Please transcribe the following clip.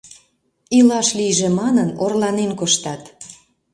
Илаш лийже манын, орланен коштат...